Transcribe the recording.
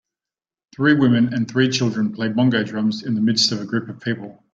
Three women and three children play bongo drums in the midst of a group of people.